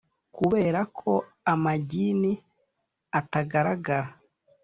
Kubera ko amagini atagaragara